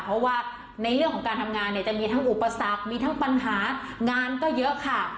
เพราะว่าในเรื่องของการทำงานเนี่ยจะมีทั้งอุปสรรคมีทั้งปัญหางานก็เยอะค่ะ